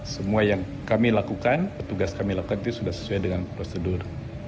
semua yang kami lakukan petugas kami lakukan itu sudah sesuai dengan prosedur